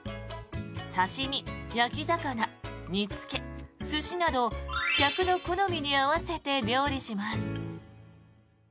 刺し身、焼き魚煮付け、寿司など客の好みに合わせて料理します。